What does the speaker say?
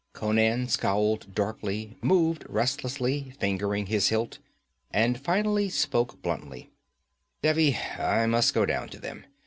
Conan scowled darkly, moved restlessly, fingering his hilt, and finally spoke bluntly: 'Devi, I must go down to them.